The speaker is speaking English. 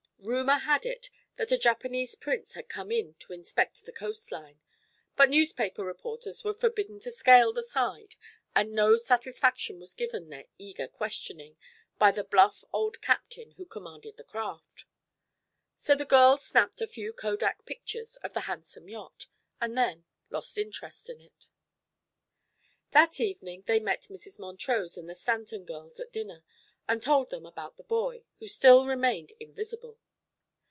Rumor had it that a Japanese prince had come in it to inspect the coast line, but newspaper reporters were forbidden to scale the side and no satisfaction was given their eager questioning by the bluff old captain who commanded the craft. So the girls snapped a few kodak pictures of the handsome yacht and then lost interest in it. That evening they met Mrs. Montrose and the Stanton girls at dinner and told them about the boy, who still remained invisible.